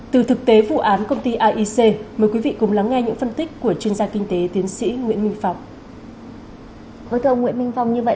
từ thực tế vụ án công ty aic mời quý vị cùng lắng nghe những phân tích của chuyên gia kinh tế tiến sĩ nguyễn minh phong